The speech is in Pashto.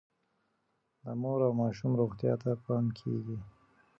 د مور او ماشوم روغتیا ته پام کیږي.